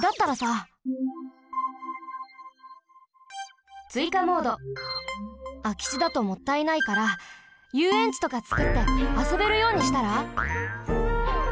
あきちだともったいないからゆうえんちとかつくってあそべるようにしたら？